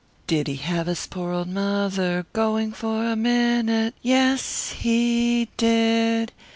"Did he have his poor old mother going for a minute? Yes, he did.